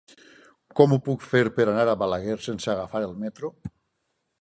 Com ho puc fer per anar a Balaguer sense agafar el metro?